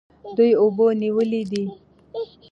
دوی اوبه نیولې دي.